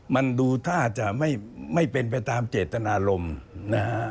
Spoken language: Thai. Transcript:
มันดูท่าจะไม่เป็นไปตามเจตนารมณ์นะฮะ